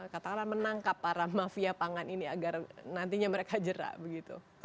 katakanlah menangkap para mafia pangan ini agar nantinya mereka jerak begitu